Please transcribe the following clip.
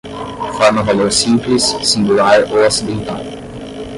Forma-valor simples, singular ou acidental